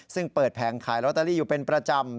ซึ่งเปิดแผงขายลอตเตอรี่อยู่เป็นประจำ